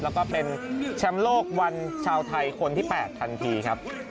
แล้วก็เป็นแชมป์โลกวันชาวไทยคนที่๘ทันทีครับ